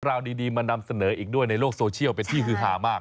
ราวดีมานำเสนออีกด้วยในโลกโซเชียลเป็นที่ฮือหามาก